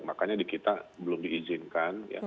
makanya di kita belum diizinkan